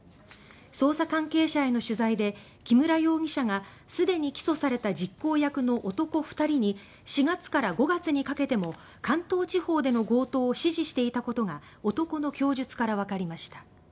捜査関係者への取材で木村容疑者がすでに起訴された実行役の男２人に４月から５月にかけても関東地方での強盗を指示していたことが男の供述からわかりました。